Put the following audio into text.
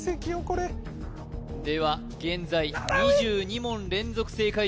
これでは現在２２問連続正解